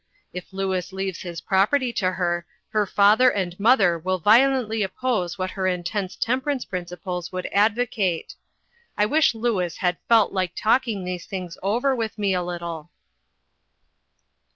If Louis leaves his property to her, her father and mother will violently oppose what her intense temperance principles would advocate. I wish Louis had felt like talking these things over with me a little."